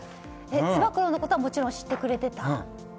つば九郎のことはもちろん知ってくれてた？